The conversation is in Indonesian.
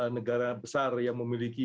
negara besar yang memiliki